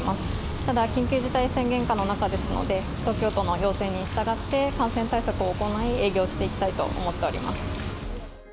ただ、緊急事態宣言下の中ですので、東京都の要請に従って、感染対策を行い、営業していきたいと思っております。